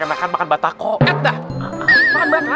udah udah toge tega